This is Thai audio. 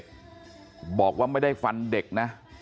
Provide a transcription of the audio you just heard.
บอกว่าไม่ได้ฟันเด็กนะ